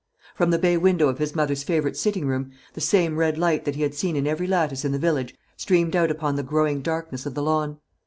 From the bay window of his mother's favourite sitting room the same red light that he had seen in every lattice in the village streamed out upon the growing darkness of the lawn.